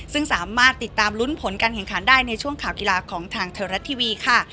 ซึ่งสามารถติดตามลุ้นผลการแข่งขันได้ในช่วงข่าวกีฬาของทางไทยรัฐทีวีค่ะ